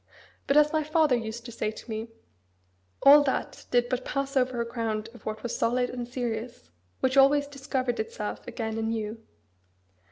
But, as my father used to say to me, all that did but pass over a ground of what was solid and serious, which always discovered itself again anew.